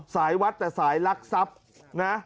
สายวัดแต่สายลักทรัพย์นะ